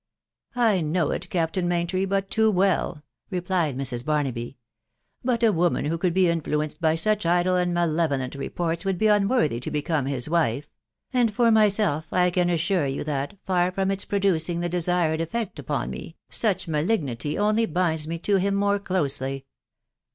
" I know it, Captain Maintry, but too well," replied Mrs. JJarnaby; ..." but a woman vrtio co\A& \* YoAugbaei bj THE WIDOW BARNABY. 227 such idle and malevolent reports would be unworthy to become his wife ; and for myself, I can assure you that, far from its producing the desired effect upon me, such malignity only binds me to him more closely."